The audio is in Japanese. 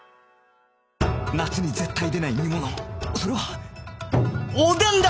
夏に絶対出ない煮物それはおでんだ！